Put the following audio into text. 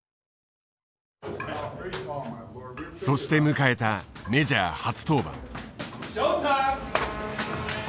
そして迎えたメジャー初登板。